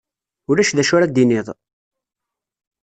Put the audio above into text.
Ulac d acu ara d-tiniḍ?